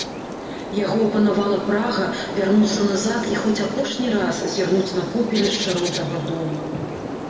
Яго апанавала прага вярнуцца назад і хоць апошні раз зірнуць на попелішча роднага дома.